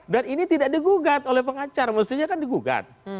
dan ini tidak digugat oleh pengacar maksudnya kan digugat